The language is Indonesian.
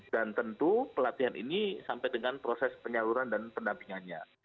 dan tentu pelatihan ini sampai dengan proses penyaluran dan pendampingannya